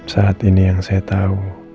saat ini yang saya tahu